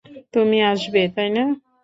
তুমি আসবে, তাই না?